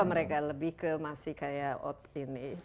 mereka lebih ke masih kayak out ini